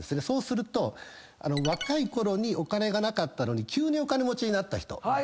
そうすると若いころにお金が無かったのに急にお金持ちになった人。